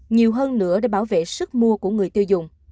nhiều hơn nữa để bảo vệ sức mua của người tiêu dùng